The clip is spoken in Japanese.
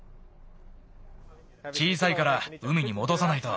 小さいから海にもどさないと。